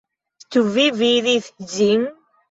Ĉu vi vidis ĝin?